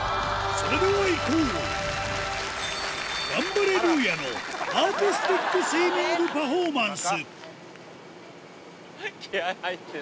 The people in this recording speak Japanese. それではいこう、ガンバレルーヤのアーティスティックスイミングパフォーマンス。